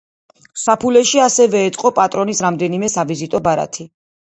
საფულეში ასევე ეწყო პატრონის რამდენიმე სავიზიტო ბარათი.